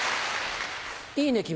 いいね君。